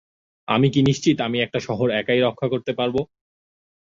আপনি কি নিশ্চিত আমি একটা শহর একাই রক্ষা করতে পারবো?